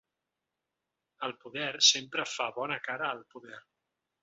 El poder sempre fa bona cara al poder.